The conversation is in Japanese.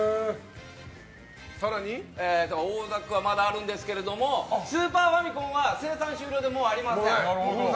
オー・ザックはまだあるんですけどスーパーファミコンは生産終了でもうありません。